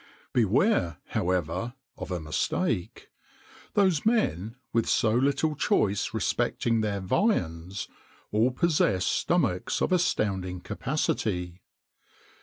Beware, however, of a mistake: those men with so little choice respecting their viands all possessed stomachs of astounding capacity.